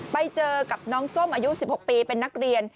ไปเจอกับน้องส้มอายุ๑๖ปีเป็นนักเรียน